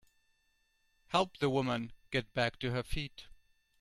Help the woman get back to her feet.